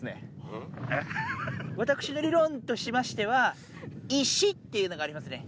私の理論としましては、石っていうのがありますね。